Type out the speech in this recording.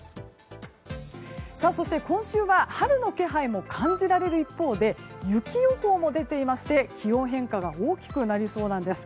そして今週は春の気配も感じられる一方で雪予報も出ていまして気温変化が大きくなりそうです。